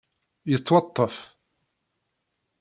Yettwaṭṭef.